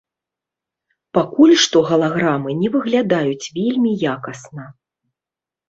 Пакуль што галаграмы не выглядаюць вельмі якасна.